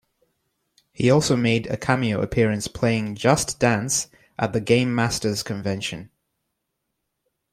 He also made a cameo appearance playing "Just Dance" at the Game Masters convention.